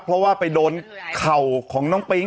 เพราะว่าไปโดนเข่าของน้องปิ๊ง